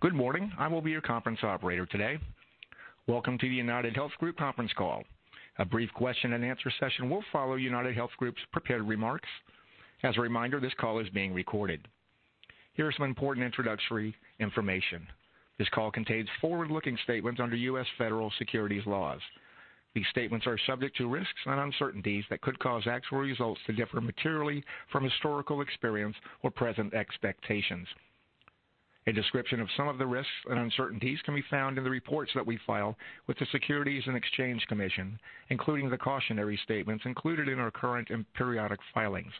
Good morning. I will be your conference operator today. Welcome to the UnitedHealth Group conference call. A brief question-and-answer session will follow UnitedHealth Group's prepared remarks. As a reminder, this call is being recorded. Here is some important introductory information. This call contains forward-looking statements under U.S. federal securities laws. These statements are subject to risks and uncertainties that could cause actual results to differ materially from historical experience or present expectations. A description of some of the risks and uncertainties can be found in the reports that we file with the Securities and Exchange Commission, including the cautionary statements included in our current and periodic filings.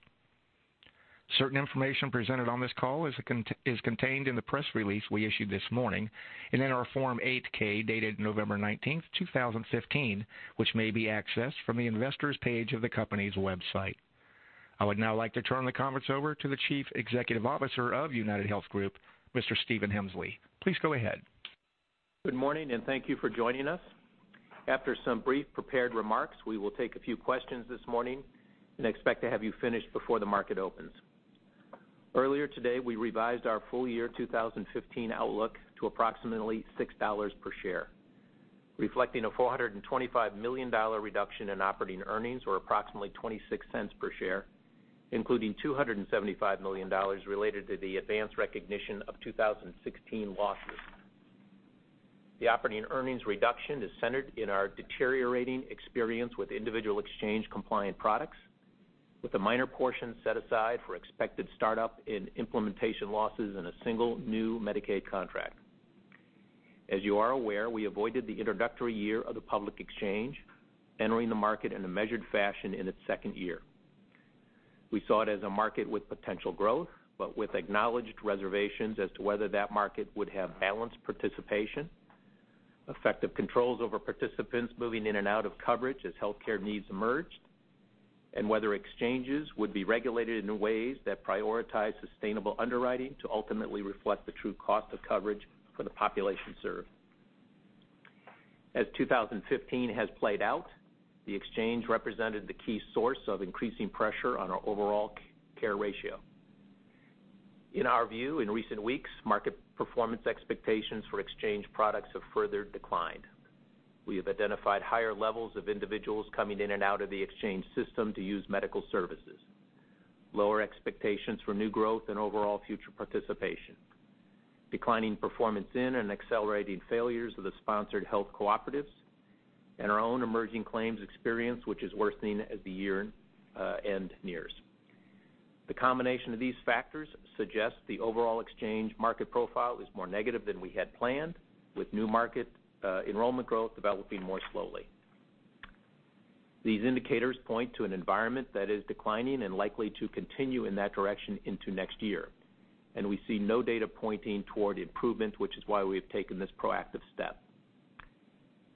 Certain information presented on this call is contained in the press release we issued this morning and in our Form 8-K, dated November 19, 2015, which may be accessed from the investors page of the company's website. I would now like to turn the conference over to the Chief Executive Officer of UnitedHealth Group, Mr. Stephen Hemsley. Please go ahead. Good morning. Thank you for joining us. After some brief prepared remarks, we will take a few questions this morning and expect to have you finished before the market opens. Earlier today, we revised our full year 2015 outlook to approximately $6 per share, reflecting a $425 million reduction in operating earnings or approximately $0.26 per share, including $275 million related to the advanced recognition of 2016 losses. The operating earnings reduction is centered in our deteriorating experience with individual exchange compliant products, with a minor portion set aside for expected startup and implementation losses in a single new Medicaid contract. As you are aware, we avoided the introductory year of the public exchange, entering the market in a measured fashion in its second year. We saw it as a market with potential growth, with acknowledged reservations as to whether that market would have balanced participation, effective controls over participants moving in and out of coverage as healthcare needs emerged, and whether exchanges would be regulated in ways that prioritize sustainable underwriting to ultimately reflect the true cost of coverage for the population served. As 2015 has played out, the exchange represented the key source of increasing pressure on our overall care ratio. In our view, in recent weeks, market performance expectations for exchange products have further declined. We have identified higher levels of individuals coming in and out of the exchange system to use medical services, lower expectations for new growth and overall future participation, declining performance in and accelerating failures of the sponsored health cooperatives, and our own emerging claims experience, which is worsening as the year-end nears. The combination of these factors suggests the overall exchange market profile is more negative than we had planned, with new market enrollment growth developing more slowly. These indicators point to an environment that is declining and likely to continue in that direction into next year. We see no data pointing toward improvement, which is why we have taken this proactive step.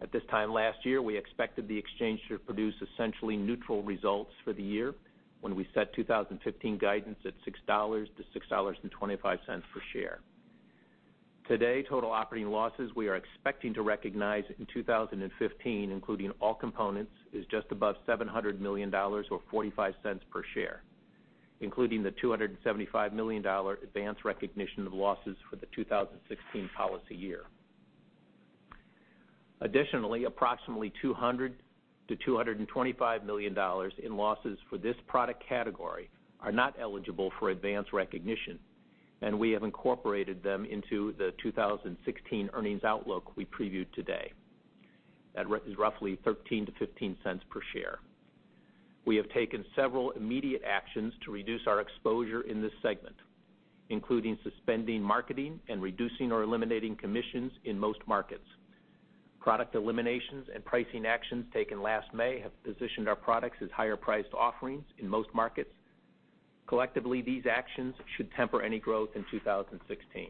At this time last year, we expected the exchange to produce essentially neutral results for the year when we set 2015 guidance at $6-$6.25 per share. Today, total operating losses we are expecting to recognize in 2015, including all components, is just above $700 million or $0.45 per share, including the $275 million advanced recognition of losses for the 2016 policy year. Additionally, approximately $200 million-$225 million in losses for this product category are not eligible for advanced recognition. We have incorporated them into the 2016 earnings outlook we previewed today. That is roughly $0.13-$0.15 per share. We have taken several immediate actions to reduce our exposure in this segment, including suspending marketing and reducing or eliminating commissions in most markets. Product eliminations and pricing actions taken last May have positioned our products as higher-priced offerings in most markets. Collectively, these actions should temper any growth in 2016.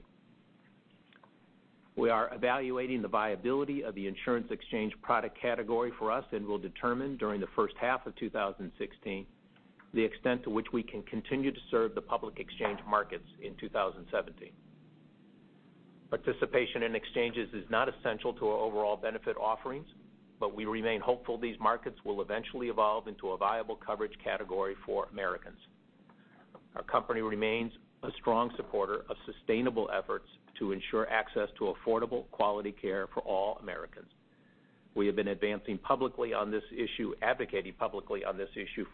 We are evaluating the viability of the insurance exchange product category for us and will determine during the first half of 2016 the extent to which we can continue to serve the public exchange markets in 2017. Participation in exchanges is not essential to our overall benefit offerings. We remain hopeful these markets will eventually evolve into a viable coverage category for Americans. Our company remains a strong supporter of sustainable efforts to ensure access to affordable, quality care for all Americans. We have been advocating publicly on this issue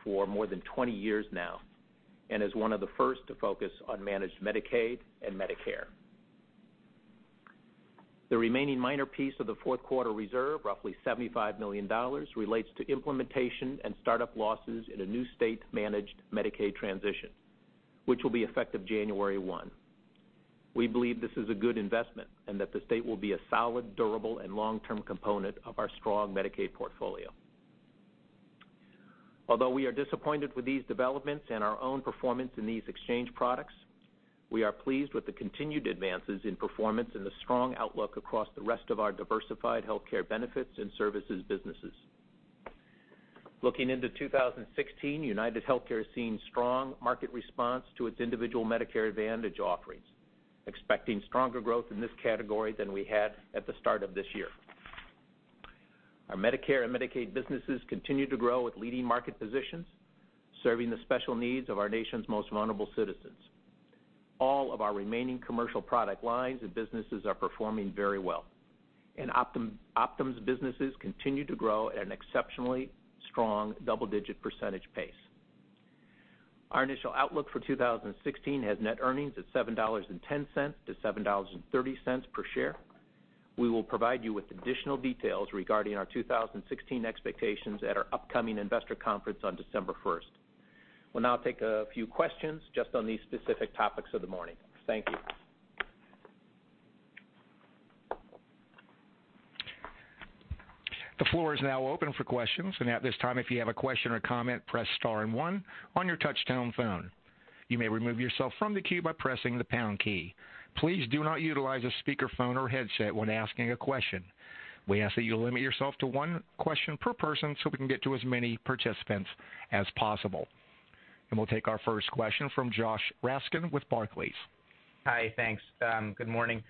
for more than 20 years now and is one of the first to focus on managed Medicaid and Medicare. The remaining minor piece of the fourth quarter reserve, roughly $75 million, relates to implementation and startup losses in a new state-managed Medicaid transition, which will be effective January 1. We believe this is a good investment and that the state will be a solid, durable, and long-term component of our strong Medicaid portfolio. Although we are disappointed with these developments and our own performance in these exchange products, we are pleased with the continued advances in performance and the strong outlook across the rest of our diversified healthcare benefits and services businesses. Looking into 2016, UnitedHealthcare is seeing strong market response to its individual Medicare Advantage offerings, expecting stronger growth in this category than we had at the start of this year. Our Medicare and Medicaid businesses continue to grow with leading market positions, serving the special needs of our nation's most vulnerable citizens. All of our remaining commercial product lines and businesses are performing very well. Optum's businesses continue to grow at an exceptionally strong double-digit % pace. Our initial outlook for 2016 has net earnings at $7.10-$7.30 per share. We will provide you with additional details regarding our 2016 expectations at our upcoming investor conference on December 1st. We'll now take a few questions just on these specific topics of the morning. Thank you. The floor is now open for questions. At this time, if you have a question or comment, press star and one on your touch-tone phone. You may remove yourself from the queue by pressing the pound key. Please do not utilize a speakerphone or headset when asking a question. We ask that you limit yourself to one question per person so we can get to as many participants as possible. We'll take our first question from Josh Raskin with Barclays. Hi. Thanks. Good morning.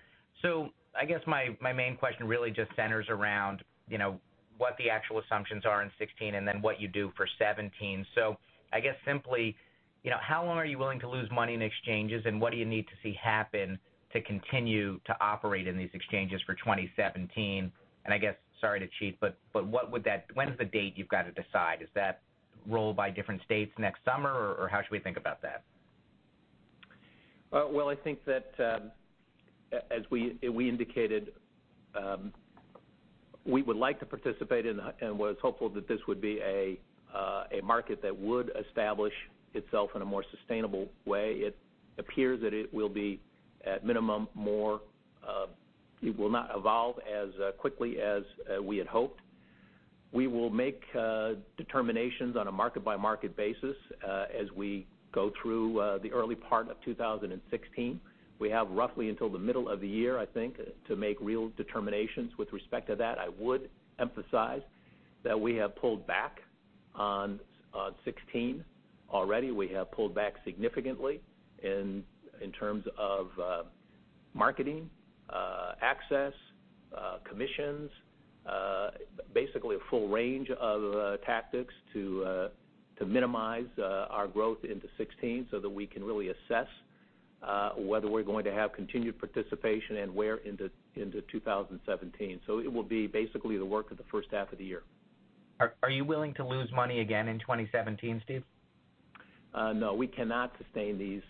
I guess my main question really just centers around what the actual assumptions are in 2016, and then what you do for 2017. I guess simply, how long are you willing to lose money in exchanges, and what do you need to see happen to continue to operate in these exchanges for 2017? I guess, sorry to cheat, when is the date you've got to decide? Is that rolled by different states next summer, or how should we think about that? Well, I think that, as we indicated, we would like to participate in and was hopeful that this would be a market that would establish itself in a more sustainable way. It appears that it will be, at minimum, it will not evolve as quickly as we had hoped. We will make determinations on a market-by-market basis, as we go through the early part of 2016. We have roughly until the middle of the year, I think, to make real determinations with respect to that. I would emphasize that we have pulled back on 2016 already. We have pulled back significantly in terms of marketing, access, commissions, basically a full range of tactics to minimize our growth into 2016 so that we can really assess whether we're going to have continued participation and where into 2017. It will be basically the work of the first half of the year. Are you willing to lose money again in 2017, Steve? No, we cannot sustain these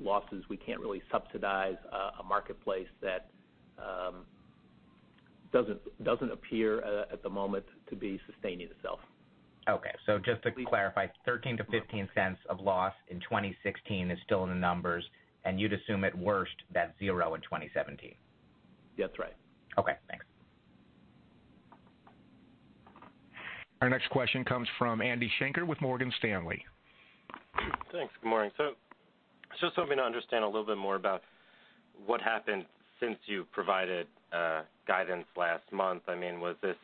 losses. We can't really subsidize a marketplace that doesn't appear, at the moment, to be sustaining itself. Okay. Just to clarify, $0.13-$0.15 of loss in 2016 is still in the numbers, and you'd assume at worst, that's zero in 2017. That's right. Okay, thanks. Our next question comes from Andrew Schenker with Morgan Stanley. Thanks. Good morning. Just helping to understand a little bit more about what happened since you provided guidance last month. Was this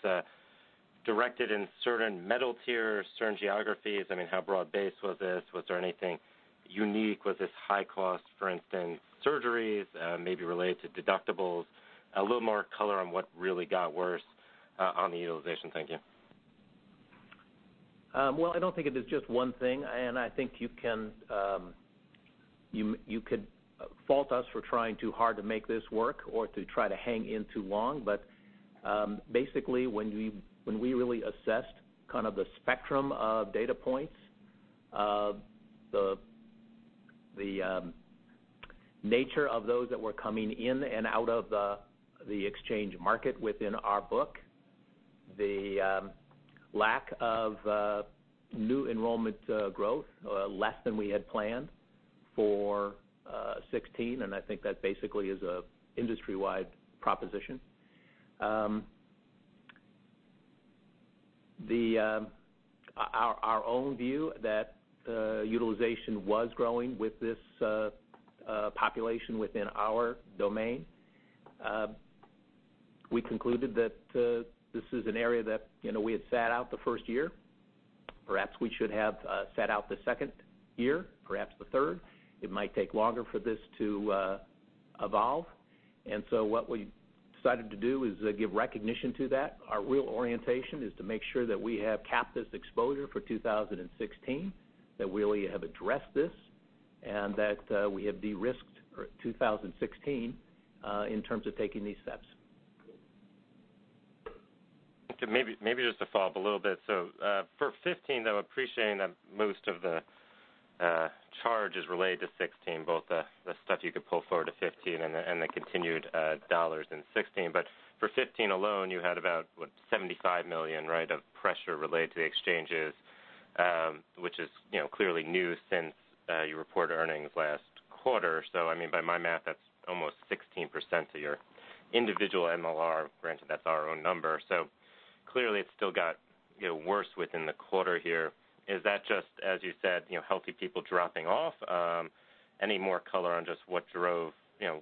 directed in certain metal tiers, certain geographies? How broad-based was this? Was there anything unique? Was this high cost, for instance, surgeries, maybe related to deductibles? A little more color on what really got worse on the utilization. Thank you. I don't think it is just one thing. I think you could fault us for trying too hard to make this work or to try to hang in too long. Basically, when we really assessed the spectrum of data points, the nature of those that were coming in and out of the exchange market within our book, the lack of new enrollment growth, less than we had planned for 2016. I think that basically is an industry-wide proposition. Our own view that utilization was growing with this population within our domain. We concluded that this is an area that we had sat out the first year. Perhaps we should have sat out the second year, perhaps the third. It might take longer for this to evolve. What we decided to do is give recognition to that. Our real orientation is to make sure that we have capped this exposure for 2016, that we have addressed this, and that we have de-risked 2016 in terms of taking these steps. Okay, maybe just to follow up a little bit. For 2015, though, appreciating that most of the charge is related to 2016, both the stuff you could pull forward to 2015 and the continued dollars in 2016. For 2015 alone, you had about, what, $75 million of pressure related to the exchanges, which is clearly new since you reported earnings last quarter. By my math, that's almost 16% of your individual MLR. Granted, that's our own number. Clearly, it's still got worse within the quarter here. Is that just, as you said, healthy people dropping off? Any more color on just what drove,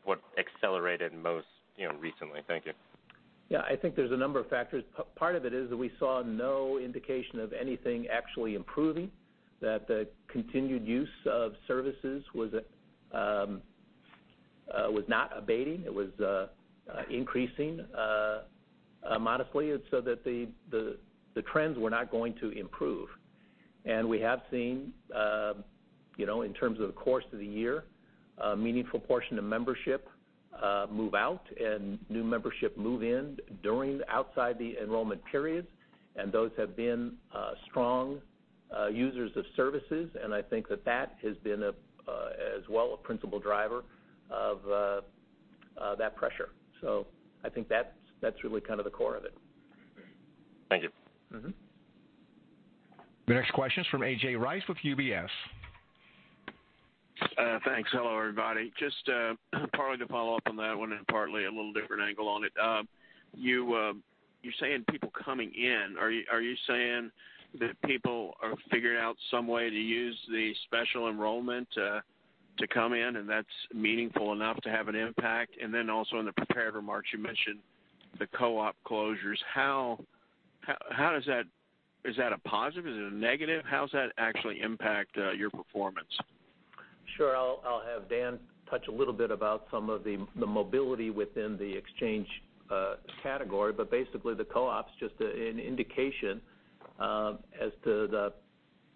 what accelerated most recently? Thank you. Yeah, I think there's a number of factors. Part of it is that we saw indication of anything actually improving, that the continued use of services was not abating. It was increasing modestly so that the trends were not going to improve. We have seen, in terms of the course of the year, a meaningful portion of membership move out and new membership move in during outside the enrollment periods, and those have been strong users of services, and I think that has been as well a principal driver of that pressure. I think that's really the core of it. Thank you. The next question is from A.J. Rice with UBS. Thanks. Hello, everybody. Just partly to follow up on that one and partly a little different angle on it. You're saying people coming in. Are you saying that people are figuring out some way to use the special enrollment to come in, and that's meaningful enough to have an impact? Also in the prepared remarks, you mentioned the co-op closures. Is that a positive? Is it a negative? How does that actually impact your performance? Sure. I'll have Dan touch a little bit about some of the mobility within the exchange category. Basically, the co-ops, just an indication as to the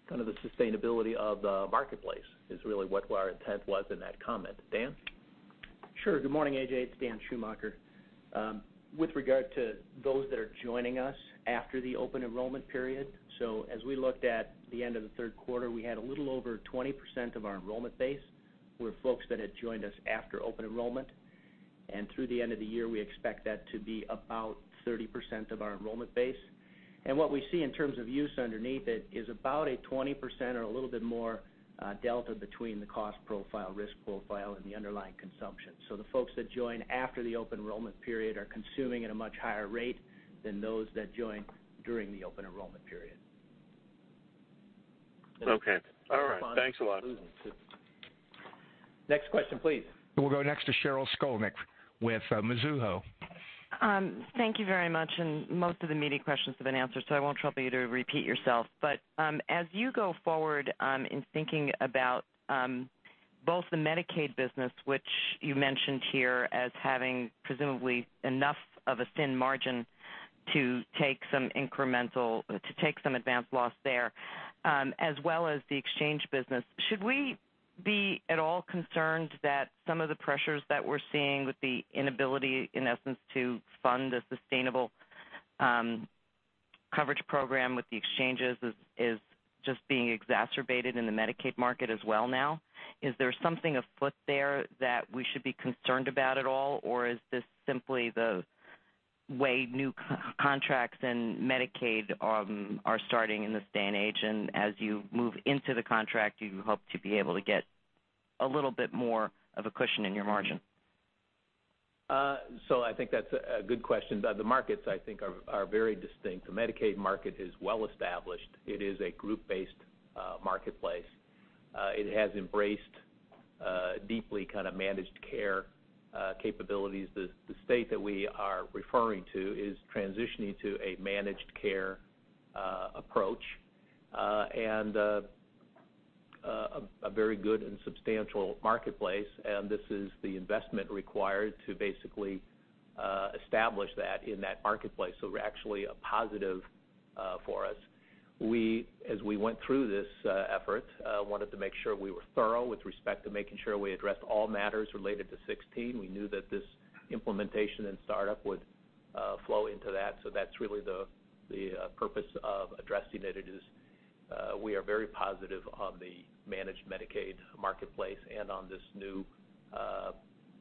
sustainability of the marketplace is really what our intent was in that comment. Dan? Sure. Good morning, A.J. It's Dan Schumacher. With regard to those that are joining us after the open enrollment period, as we looked at the end of the third quarter, we had a little over 20% of our enrollment base were folks that had joined us after open enrollment. Through the end of the year, we expect that to be about 30% of our enrollment base. What we see in terms of use underneath it is about a 20% or a little bit more delta between the cost profile, risk profile, and the underlying consumption. The folks that join after the open enrollment period are consuming at a much higher rate than those that join during the open enrollment period. Okay. All right. Thanks a lot. Next question, please. We'll go next to Sheryl Skolnick with Mizuho. Thank you very much, and most of the meaty questions have been answered, so I won't trouble you to repeat yourself. As you go forward in thinking about both the Medicaid business, which you mentioned here as having presumably enough of a thin margin to take some advanced loss there, as well as the exchange business, should we be at all concerned that some of the pressures that we're seeing with the inability, in essence, to fund a sustainable coverage program with the exchanges is just being exacerbated in the Medicaid market as well now? Is there something afoot there that we should be concerned about at all? Is this simply the way new contracts and Medicaid are starting in this day and age, and as you move into the contract, you hope to be able to get a little bit more of a cushion in your margin? I think that's a good question. The markets, I think, are very distinct. The Medicaid market is well established. It is a group-based marketplace. It has embraced deeply managed care capabilities. The state that we are referring to is transitioning to a managed care approach, and a very good and substantial marketplace, and this is the investment required to basically establish that in that marketplace. We're actually a positive for us. As we went through this effort, wanted to make sure we were thorough with respect to making sure we addressed all matters related to 2016. We knew that this implementation and startup would flow into that. That's really the purpose of addressing it. We are very positive on the managed Medicaid marketplace and on this new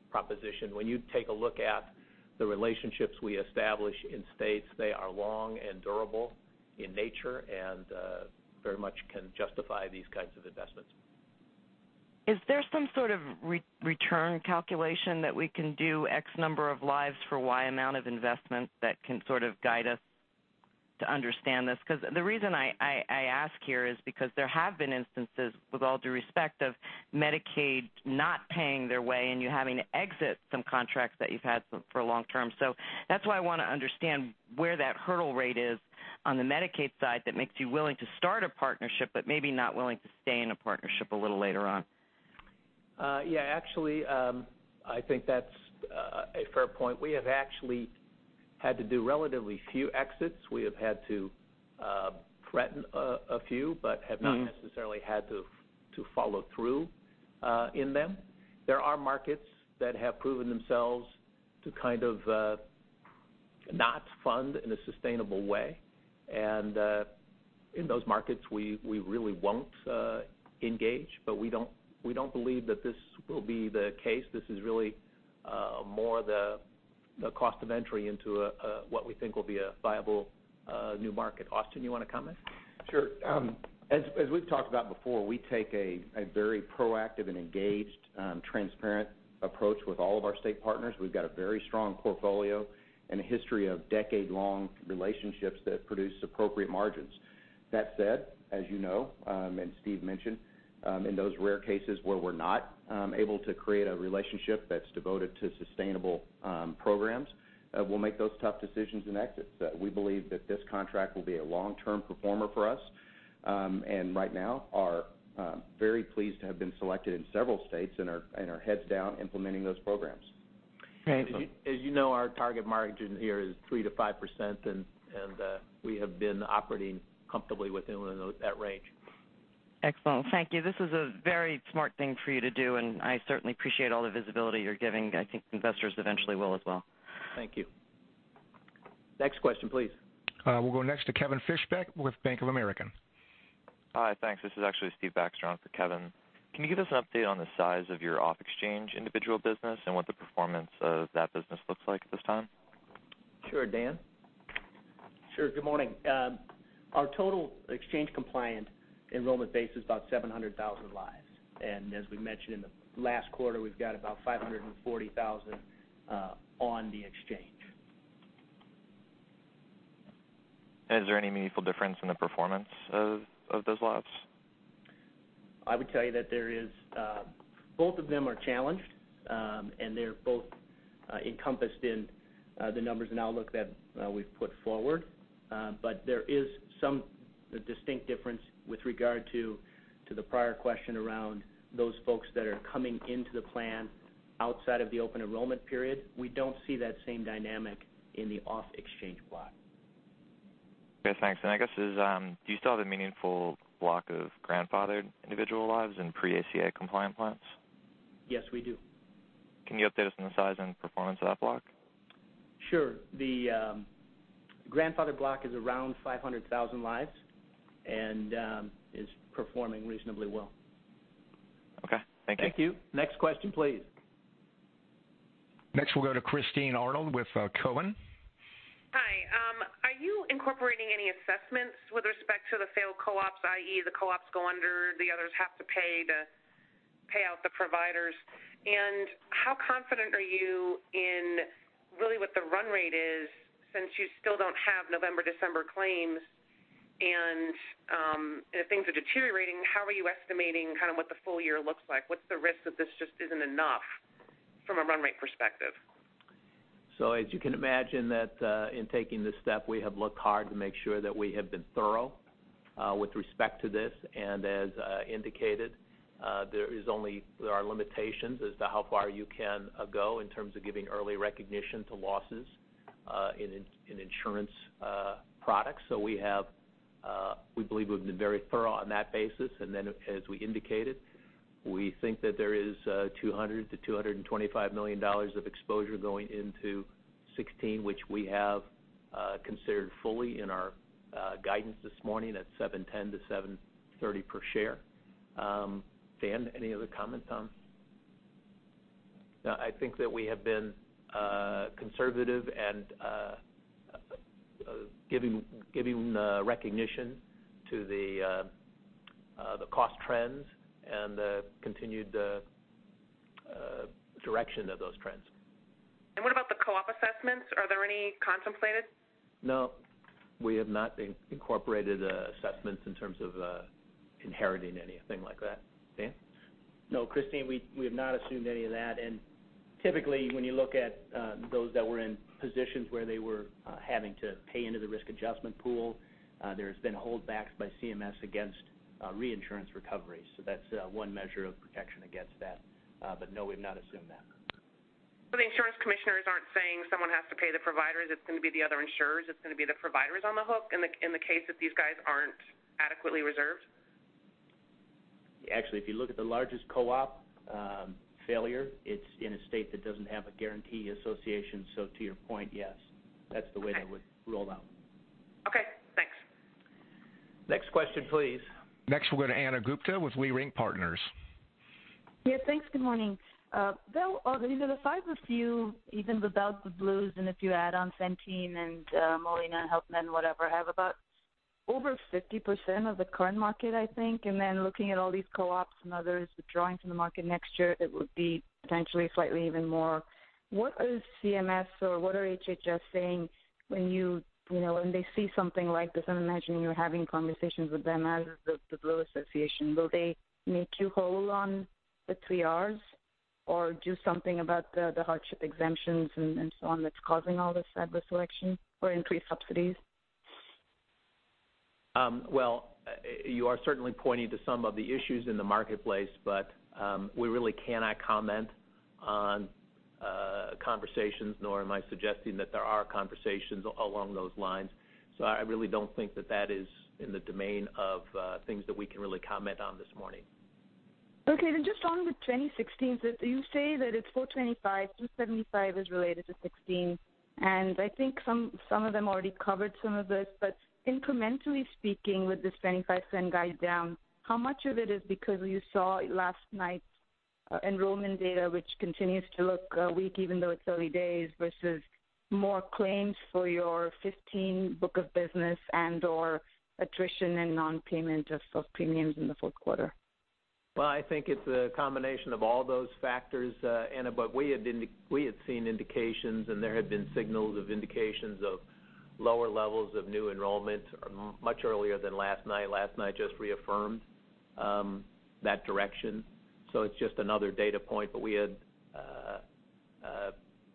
proposition. When you take a look at the relationships we establish in states, they are long and durable in nature and very much can justify these kinds of investments. Is there some sort of return calculation that we can do X number of lives for Y amount of investment that can sort of guide us to understand this? Because the reason I ask here is because there have been instances, with all due respect, of Medicaid not paying their way and you having to exit some contracts that you've had for long term. That's why I want to understand where that hurdle rate is on the Medicaid side that makes you willing to start a partnership, but maybe not willing to stay in a partnership a little later on. Yeah, actually, I think that's a fair point. We have actually had to do relatively few exits. We have had to threaten a few but have not necessarily had to follow through on them. There are markets that have proven themselves to kind of not fund in a sustainable way, and in those markets, we really won't engage, but we don't believe that this will be the case. This is really more the cost of entry into what we think will be a viable new market. Austin, you want to comment? Sure. As we've talked about before, we take a very proactive and engaged, transparent approach with all of our state partners. We've got a very strong portfolio and a history of decade-long relationships that produce appropriate margins. That said, as you know, and Steve mentioned, in those rare cases where we're not able to create a relationship that's devoted to sustainable programs, we'll make those tough decisions and exit. We believe that this contract will be a long-term performer for us, and right now are very pleased to have been selected in several states and are heads down implementing those programs. Excellent. As you know, our target margin here is 3%-5%, and we have been operating comfortably within that range. Excellent. Thank you. This is a very smart thing for you to do, and I certainly appreciate all the visibility you're giving. I think investors eventually will as well. Thank you. Next question, please. We'll go next to Kevin Fischbeck with Bank of America. Hi. Thanks. This is actually Steven Baxter on for Kevin. Can you give us an update on the size of your off-exchange individual business and what the performance of that business looks like at this time? Sure. Dan? Sure. Good morning. Our total exchange compliant enrollment base is about 700,000 lives. As we mentioned in the last quarter, we've got about 540,000 on the exchange. Is there any meaningful difference in the performance of those lives? I would tell you that both of them are challenged, and they're both encompassed in the numbers and outlook that we've put forward. There is some distinct difference with regard to the prior question around those folks that are coming into the plan outside of the open enrollment period. We don't see that same dynamic in the off-exchange block. Okay, thanks. I guess, do you still have a meaningful block of grandfathered individual lives in pre-ACA compliant plans? Yes, we do. Can you update us on the size and performance of that block? Sure. The grandfather block is around 500,000 lives and is performing reasonably well. Okay. Thank you. Thank you. Next question, please. We'll go to Christine Arnold with Cowen. Hi. Are you incorporating any assessments with respect to the failed co-ops, i.e., the co-ops go under, the others have to pay out the providers? How confident are you in really what the run rate is since you still don't have November, December claims? If things are deteriorating, how are you estimating what the full year looks like? What's the risk that this just isn't enough from a run rate perspective? As you can imagine that in taking this step, we have looked hard to make sure that we have been thorough with respect to this. As indicated, there are limitations as to how far you can go in terms of giving early recognition to losses in insurance products. We believe we've been very thorough on that basis. As we indicated, we think that there is $200 million to $225 million of exposure going into 2016, which we have considered fully in our guidance this morning at $7.10 to $7.30 per share. Dan, any other comments on I think that we have been conservative and giving recognition to the cost trends and the continued direction of those trends. What about the co-op assessments? Are there any contemplated? No, we have not incorporated assessments in terms of inheriting anything like that. Dan? No, Christine, we have not assumed any of that. Typically, when you look at those that were in positions where they were having to pay into the risk adjustment pool, there has been holdbacks by CMS against reinsurance recovery. That's one measure of protection against that. No, we've not assumed that. The insurance commissioners aren't saying someone has to pay the providers, it's going to be the other insurers, it's going to be the providers on the hook in the case that these guys aren't adequately reserved? Actually, if you look at the largest co-op failure, it's in a state that doesn't have a guarantee association. To your point, yes. That's the way they would roll out. Okay, thanks. Next question, please. Next, we'll go to Ana Gupte with Leerink Partners. Yes, thanks. Good morning. Bill, the five of you, even without the Blues and if you add on Centene and Molina, Health Net, whatever, have about over 50% of the current market, I think. Looking at all these co-ops and others withdrawing from the market next year, it would be potentially slightly even more. What is CMS or what are HHS saying when they see something like this? I'm imagining you're having conversations with them as the Blue association. Will they make you whole on the three Rs? Do something about the hardship exemptions and so on that's causing all this adverse selection or increase subsidies? You are certainly pointing to some of the issues in the marketplace, but we really cannot comment on conversations, nor am I suggesting that there are conversations along those lines. I really don't think that that is in the domain of things that we can really comment on this morning. Okay. Just on the 2016, you say that it's $425, $275 is related to 2016. I think some of them already covered some of this. Incrementally speaking with this $0.25 guide down, how much of it is because you saw last night's enrollment data, which continues to look weak even though it's early days, versus more claims for your 2015 book of business and/or attrition and non-payment of self-premiums in the fourth quarter? I think it's a combination of all those factors, Ana. We had seen indications, and there had been signals of indications of lower levels of new enrollment much earlier than last night. Last night just reaffirmed that direction. It's just another data point, but we had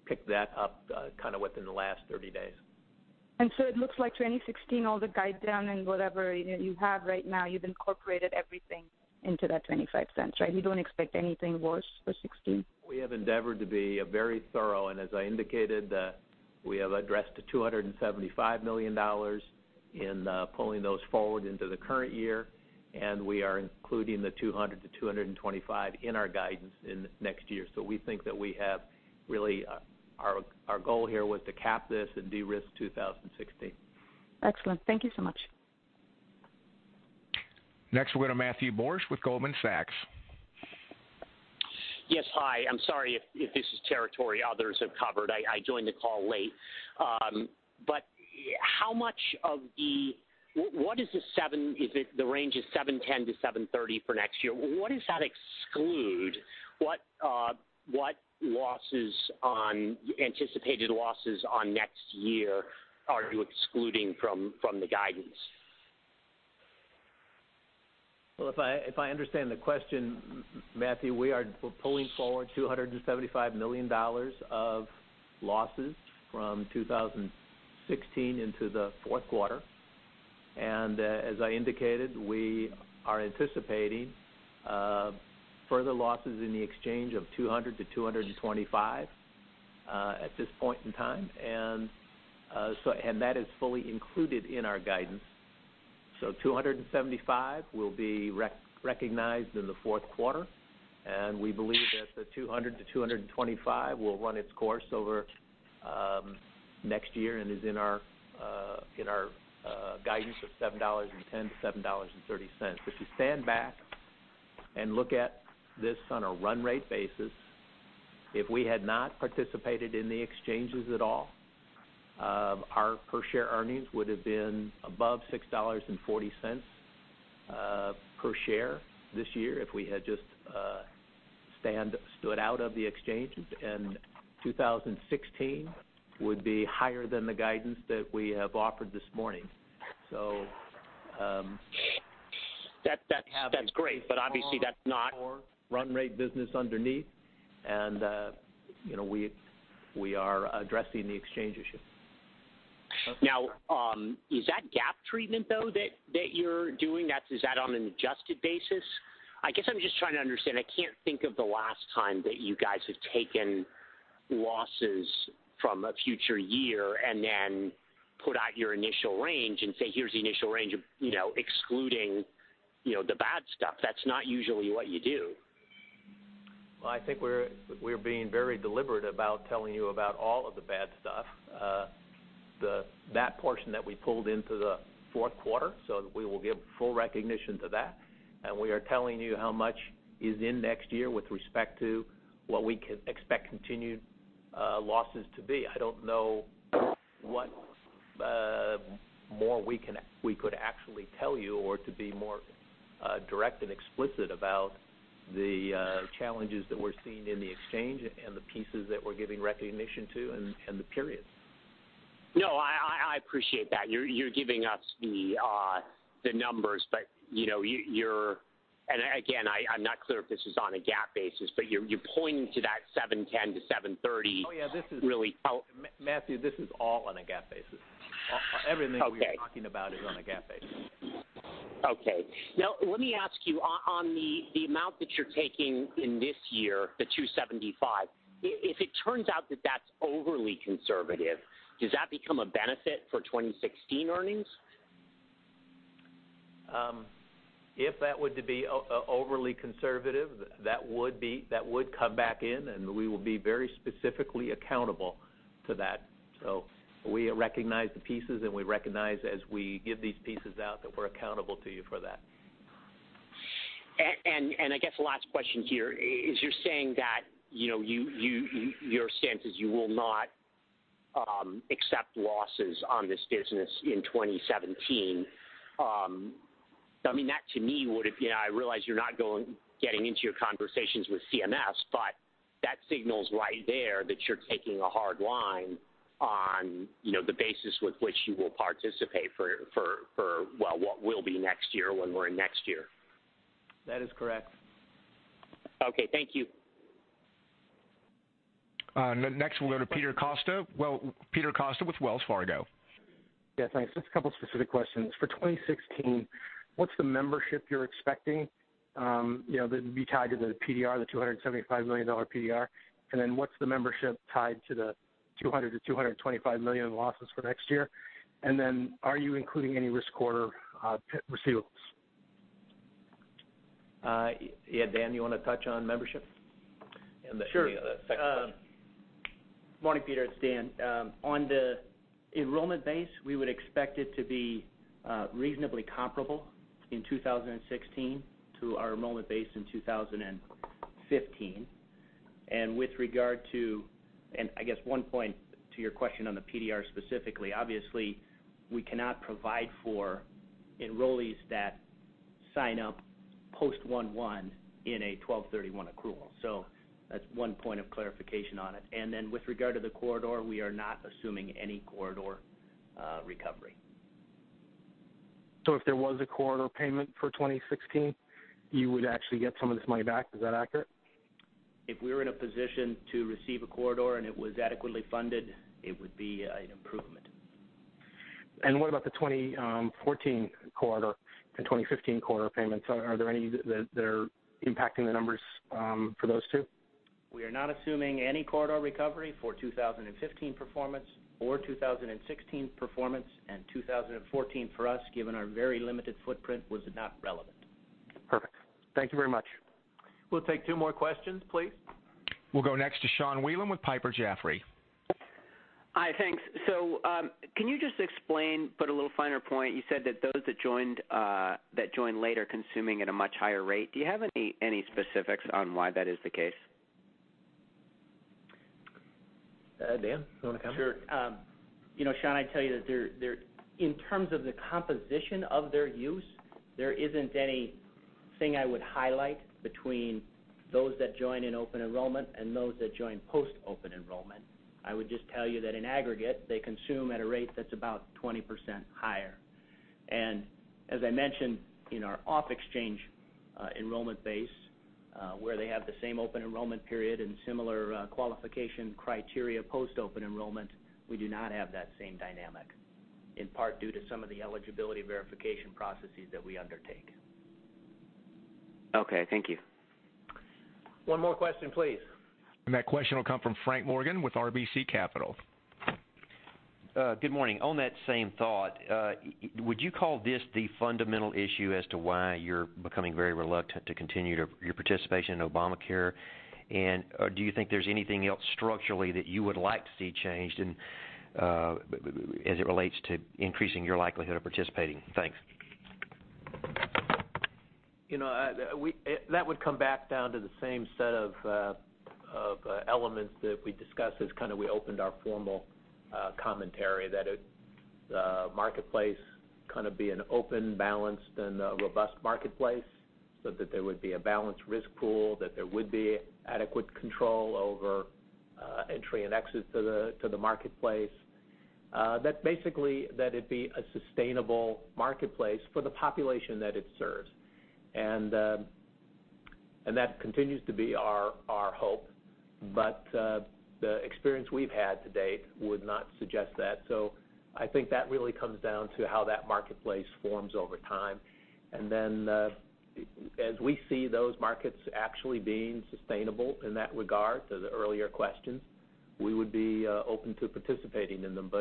picked that up kind of within the last 30 days. It looks like 2016, all the guide down and whatever you have right now, you've incorporated everything into that $0.25, right? You don't expect anything worse for 2016? We have endeavored to be very thorough, and as I indicated, we have addressed the $275 million in pulling those forward into the current year, and we are including the $200-$225 in our guidance in next year. Our goal here was to cap this and de-risk 2016. Excellent. Thank you so much. Next, we'll go to Matthew Borsch with Goldman Sachs. Yes. Hi. I'm sorry if this is territory others have covered. I joined the call late. What is this 7? The range is $7.10-$7.30 for next year. What does that exclude? What anticipated losses on next year are you excluding from the guidance? Well, if I understand the question, Matthew, we are pulling forward $275 million of losses from 2016 into the fourth quarter. As I indicated, we are anticipating further losses in the exchange of $200-$225 at this point in time. That is fully included in our guidance. $275 will be recognized in the fourth quarter, and we believe that the $200-$225 will run its course over next year and is in our guidance of $7.10-$7.30. If you stand back and look at this on a run rate basis, if we had not participated in the exchanges at all, our per-share earnings would have been above $6.40 per share this year if we had just stood out of the exchanges. 2016 would be higher than the guidance that we have offered this morning. That's great, obviously that's not- Run rate business underneath. We are addressing the exchange issue. Is that GAAP treatment though that you're doing? Is that on an adjusted basis? I guess I'm just trying to understand. I can't think of the last time that you guys have taken losses from a future year and then put out your initial range and say, "Here's the initial range excluding the bad stuff." That's not usually what you do. Well, I think we're being very deliberate about telling you about all of the bad stuff. That portion that we pulled into the fourth quarter, we will give full recognition to that. We are telling you how much is in next year with respect to what we can expect continued losses to be. I don't know what more we could actually tell you or to be more direct and explicit about the challenges that we're seeing in the exchange and the pieces that we're giving recognition to in the period. No, I appreciate that. You're giving us the numbers, again, I'm not clear if this is on a GAAP basis, you're pointing to that $7.10-$7.30. Yeah. really out. Matthew, this is all on a GAAP basis. Okay. Everything we're talking about is on a GAAP basis. Okay. Let me ask you, on the amount that you're taking in this year, the $275. If it turns out that that's overly conservative, does that become a benefit for 2016 earnings? If that were to be overly conservative, that would come back in, and we will be very specifically accountable for that. We recognize the pieces, and we recognize as we give these pieces out that we're accountable to you for that. I guess the last question here is you're saying that your stance is you will not accept losses on this business in 2017. I mean, that to me I realize you're not getting into your conversations with CMS, but that signal's right there that you're taking a hard line on the basis with which you will participate for what will be next year when we're in next year. That is correct. Okay. Thank you. Next, we'll go to Peter Costa with Wells Fargo. Yes, thanks. Just a couple specific questions. For 2016, what's the membership you're expecting that'd be tied to the PDR, the $275 million PDR? What's the membership tied to the $200-$225 million losses for next year? Are you including any risk corridor receivables? Yeah. Dan, you want to touch on membership? The second question. Sure. Morning, Peter, it's Dan. On the enrollment base, we would expect it to be reasonably comparable in 2016 to our enrollment base in 2015. With regard to, and I guess one point to your question on the PDR specifically, obviously, we cannot provide for enrollees that sign up post-one-one in a 12/31 accrual. That's one point of clarification on it. With regard to the corridor, we are not assuming any corridor recovery. If there was a risk corridor payment for 2016, you would actually get some of this money back? Is that accurate? If we were in a position to receive a risk corridor and it was adequately funded, it would be an improvement. What about the 2014 risk corridor and 2015 risk corridor payments? Are there any that are impacting the numbers for those two? We are not assuming any risk corridor recovery for 2015 performance or 2016 performance, 2014 for us, given our very limited footprint, was not relevant. Perfect. Thank you very much. We'll take two more questions please. We'll go next to Sarah Wieland with Piper Jaffray. Hi, thanks. Can you just explain, but a little finer point, you said that those that joined later consuming at a much higher rate. Do you have any specifics on why that is the case? Dan, do you want to comment? Sure. Sarah, I'd tell you that in terms of the composition of their use, there isn't anything I would highlight between those that join in open enrollment and those that join post-open enrollment. I would just tell you that in aggregate, they consume at a rate that's about 20% higher. As I mentioned, in our off-exchange enrollment base, where they have the same open enrollment period and similar qualification criteria post open enrollment, we do not have that same dynamic, in part due to some of the eligibility verification processes that we undertake. Okay. Thank you. One more question, please. That question will come from Frank Morgan with RBC Capital. Good morning. On that same thought, would you call this the fundamental issue as to why you're becoming very reluctant to continue your participation in Obamacare? Do you think there's anything else structurally that you would like to see changed as it relates to increasing your likelihood of participating? Thanks. That would come back down to the same set of elements that we discussed as we opened our formal commentary, that the marketplace be an open, balanced, and a robust marketplace, so that there would be a balanced risk pool, that there would be adequate control over entry and exit to the marketplace. Basically that it be a sustainable marketplace for the population that it serves. That continues to be our hope. The experience we've had to date would not suggest that. I think that really comes down to how that marketplace forms over time. Then as we see those markets actually being sustainable in that regard to the earlier questions, we would be open to participating in them.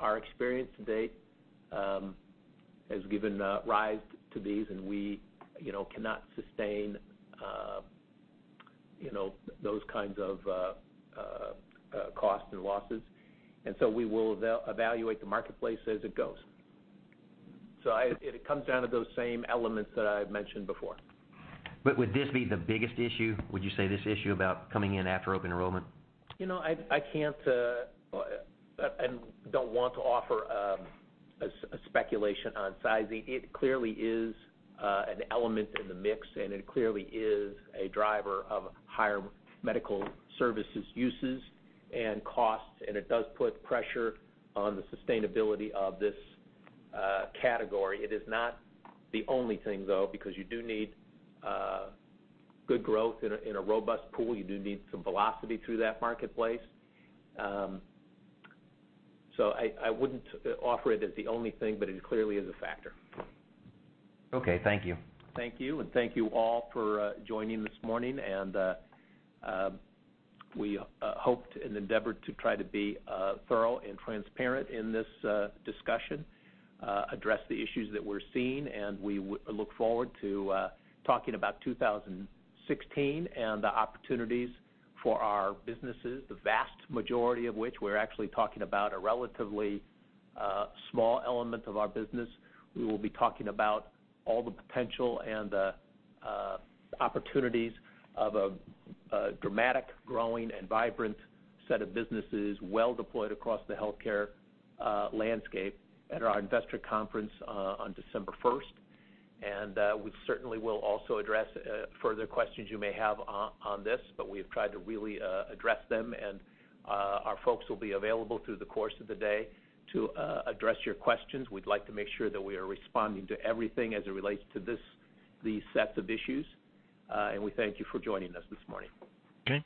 Our experience to date has given rise to these, and we cannot sustain those kinds of costs and losses. We will evaluate the marketplace as it goes. It comes down to those same elements that I've mentioned before. Would this be the biggest issue? Would you say this issue about coming in after open enrollment? I can't and don't want to offer a speculation on sizing. It clearly is an element in the mix, and it clearly is a driver of higher medical services uses and costs, and it does put pressure on the sustainability of this category. It is not the only thing, though, because you do need good growth in a robust pool. You do need some velocity through that marketplace. I wouldn't offer it as the only thing, but it clearly is a factor. Okay. Thank you. Thank you. Thank you all for joining this morning, and we hoped and endeavored to try to be thorough and transparent in this discussion, address the issues that we're seeing, and we look forward to talking about 2016 and the opportunities for our businesses, the vast majority of which we're actually talking about a relatively small element of our business. We will be talking about all the potential and the opportunities of a dramatic, growing, and vibrant set of businesses well deployed across the healthcare landscape at our investor conference on December first. We certainly will also address further questions you may have on this, but we've tried to really address them, and our folks will be available through the course of the day to address your questions. We'd like to make sure that we are responding to everything as it relates to these sets of issues. We thank you for joining us this morning. Okay.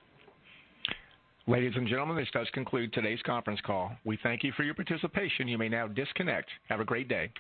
Ladies and gentlemen, this does conclude today's conference call. We thank you for your participation. You may now disconnect. Have a great day.